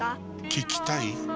聞きたい？